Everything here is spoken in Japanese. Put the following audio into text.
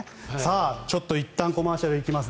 ちょっといったんコマーシャル行きます。